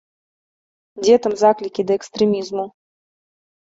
Дзе там заклікі да экстрэмізму?